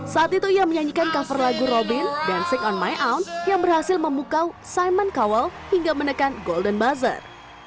saat itu ia menyanyikan cover lagu robin dan sick on my owne yang berhasil memukau simon cowell hingga menekan golden buzzer